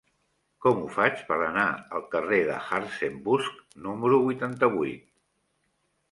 Com ho faig per anar al carrer de Hartzenbusch número vuitanta-vuit?